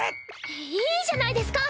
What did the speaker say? いいじゃないですか！